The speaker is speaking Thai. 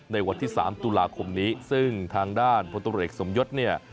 ในวันที่๓ตุลาคมนี้ซึ่งทางด้านพลตรวจเอกสมยศเนี่ย